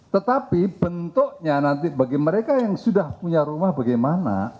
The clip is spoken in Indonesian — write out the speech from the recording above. tetapi bentuknya nanti bagi mereka yang sudah punya rumah bagaimana